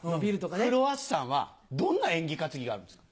クロワッサンはどんな縁起担ぎがあるんですか？